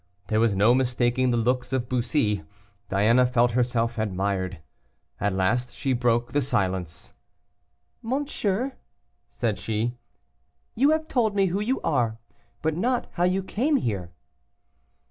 There was no mistaking the looks of Bussy; Diana felt herself admired. At last she broke the silence. "Monsieur," said she, "you have told me who you are, but not how you came here."